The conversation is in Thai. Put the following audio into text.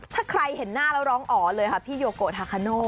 ถ้าใครเห็นหน้าแล้วร้องอ๋อเลยค่ะพี่โยโกทาคาโน่